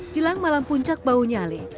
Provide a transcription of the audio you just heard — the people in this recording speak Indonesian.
jelang malam puncak bau nyale